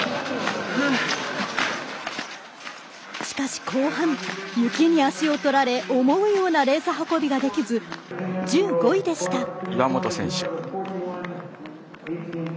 しかし後半雪に足を取られ思うようなレース運びができず１５位でした。